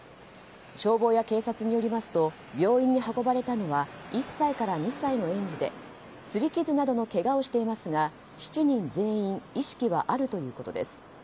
消防や警察によりますと病院に運ばれたのは１歳から２歳の園児で擦り傷などのけがをしていますが７人全員意識はあるということです。